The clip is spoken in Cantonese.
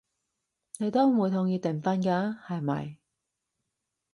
你都唔會同意訂婚㗎，係咪？